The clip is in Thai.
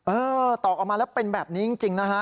ตอกออกมาแล้วเป็นแบบนี้จริงนะฮะ